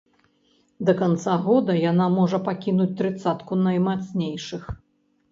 Да канца года яна можа пакінуць трыццатку наймацнейшых.